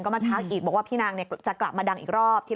มาทักอีกบอกว่าพี่นางจะกลับมาดังอีกรอบ